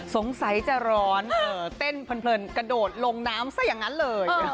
สงสัยจะร้อนเต้นเพลินกระโดดลงน้ำซะอย่างนั้นเลย